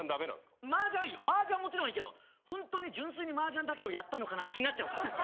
マージャンはいいけど本当に純粋にマージャンだけをやったのかなって気になっちゃうから。